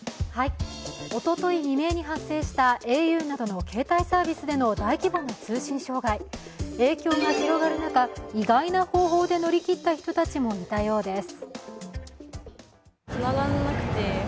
おととい未明に発生したａｕなどの携帯サービスなどの大規模な通信障害、影響が広がる中意外な方法で乗り切った人たちもいたようです。